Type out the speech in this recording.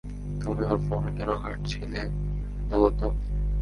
তুমি ওর ফোন কেন ঘাঁটছিলে, বলো তো?